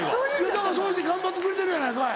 だからそうして頑張ってくれてるやないかい。